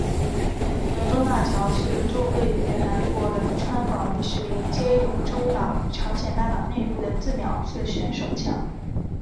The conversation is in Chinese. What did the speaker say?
永宗大桥是座位于韩国仁川广域市连接永宗岛于朝鲜半岛内陆的自锚式悬索桥。